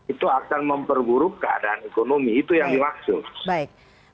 itu akan memperburuk keadaan ekonomi itu yang dimaksud